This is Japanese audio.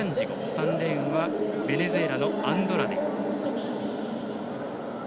３レーンはベネズエラのベラアンドラデ。